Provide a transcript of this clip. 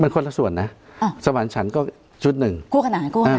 มันคนละส่วนนะสมันต์ฉันก็ชุดหนึ่ง